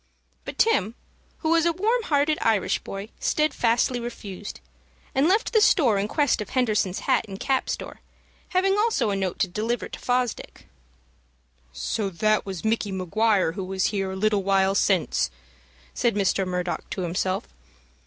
But Tim, who was a warm hearted Irish boy, steadfastly refused, and left the store in quest of Henderson's hat and cap store, having also a note to deliver to Fosdick. "So that was Micky Maguire who was here a little while since," said Mr. Murdock to himself.